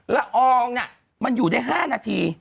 ละอองมันอยู่ได้๕นาที